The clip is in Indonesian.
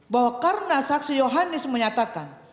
bahwa karena saksi yohanis menyatakan